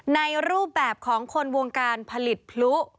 ในรูปแบบของคนวงการผลิตพลุ